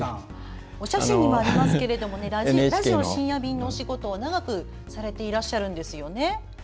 お写真もありますが「ラジオ深夜便」のお仕事を長くされていらっしゃるんですね。